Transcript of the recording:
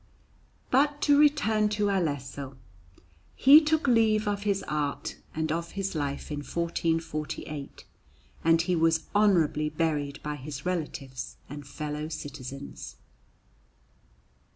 But to return to Alesso; he took leave of his art and of his life in 1448, and he was honourably buried by his relatives and fellow citizens.